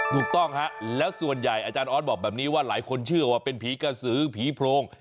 ถูกต้องฮะแล้วส่วนใหญ่อาจารย์ออสบอกแบบนี้ว่าหลายคนเชื่อว่าเป็นผีกระสือผีโพรง